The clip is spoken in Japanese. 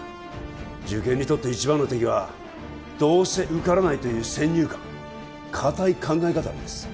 受験にとって一番の敵はどうせ受からないという先入観堅い考え方なんです